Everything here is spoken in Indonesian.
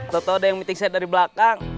tau tau ada yang meeting saya dari belakang